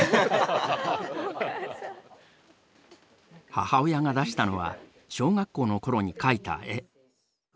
母親が出したのは小学校の頃に描いた絵。